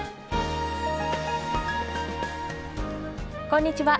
こんにちは。